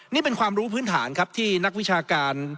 นี่เป็นความรู้พื้นฐานครับที่นักวิชาการ